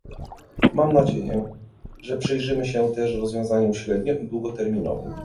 Mam nadzieję, że przyjrzymy się też rozwiązaniom średnio- i długoterminowym